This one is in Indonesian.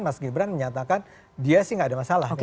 mas gibran menyatakan dia sih nggak ada masalah